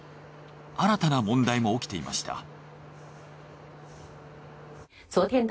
新たな問題も起きていました。